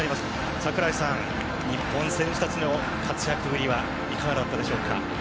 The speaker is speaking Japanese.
櫻井さん、日本選手たちの活躍ぶりはいかがでしたでしょうか？